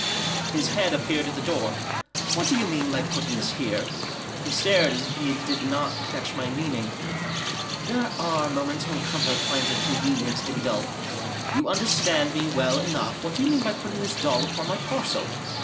His head appeared at the door* "What do you mean by putting this hefe?" He stared, as if he did not catch my meaning, There are moments when Crumper finds it convenient to be dull "You understand me well enough; what do you mean by putting this doll upon my parcel